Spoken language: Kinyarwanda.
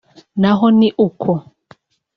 naho ni uko